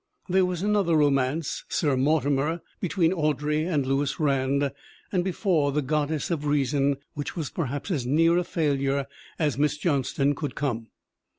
There was another romance, Sir Mortimer, be tween Audrey and Lewis Rand, and before The God dess of Reason, which was perhaps as near a failure as Miss Johnston could come.